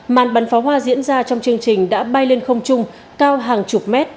màn bắn pháo hoa diễn ra trong chương trình đã bay lên không chung cao hàng chục mét